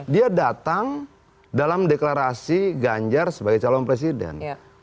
dia datang dalam deklarasi ganjar sebagai calon presiden